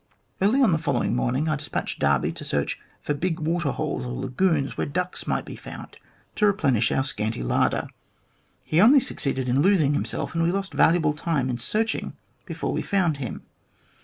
Early on the following morning I despatched Darby to search for big water holes or lagoons, where ducks might be found to replenish our scanty larder. He only succeeded in losing him self, and we lost valuable time in searching before we found him.